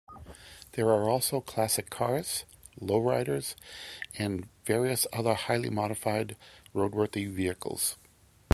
There are also classic cars, lowriders, and various other highly modified roadworthy vehicles.